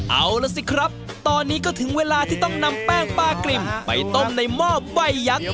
เอาล่ะสิครับตอนนี้ก็ถึงเวลาที่ต้องนำแป้งปลากริ่มไปต้มในหม้อใบยักษ์